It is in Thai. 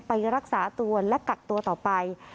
ไปรักษาตัวและกักตัวต่อไป